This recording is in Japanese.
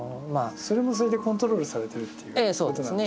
それもそれでコントロールされてるということなんですね。